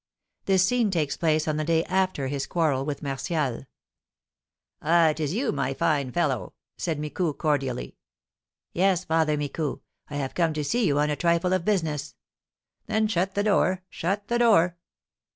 (This scene takes place on the day after his quarrel with. Martial.) "Ah, is it you, my fine fellow?" said Micou, cordially. "Yes, Father Micou, I have come to see you on a trifle of business." "Then shut the door, shut the door."